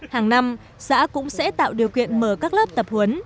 trong những năm tới hàng năm xã cũng sẽ tạo điều kiện mở các lớp tập huấn